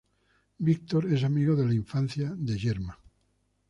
Víctor es amigo de la infancia de Yerma.